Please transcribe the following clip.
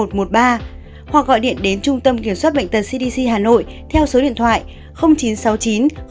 hoặc gọi điện đến trung tâm kiểm soát bệnh tật cdc hà nội theo số điện thoại chín trăm sáu mươi chín tám mươi hai một trăm một mươi năm